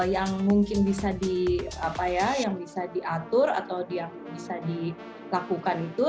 yang mungkin bisa diatur atau yang bisa dilakukan itu